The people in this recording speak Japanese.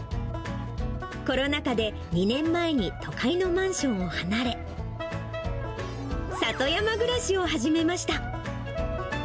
コロナ禍で２年前に都会のマンションを離れ、里山暮らしを始めました。